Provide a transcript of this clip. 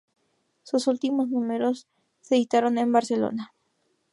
Sus últimos números se editaron en Barcelona.